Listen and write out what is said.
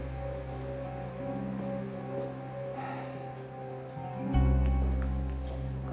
jalan dulu ya